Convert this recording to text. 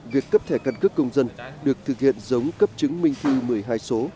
việc cấp thẻ căn cước công dân được thực hiện giống cấp chứng minh thư một mươi hai số